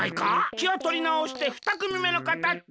きをとりなおしてふたくみめのかたどうぞ！